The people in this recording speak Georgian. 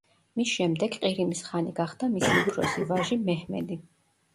მის შემდეგ ყირიმის ხანი გახდა მისი უფროსი ვაჟი, მეჰმედი.